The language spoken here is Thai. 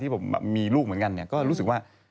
ผมมีลูกเหมือนกันก็รู้สึกว่า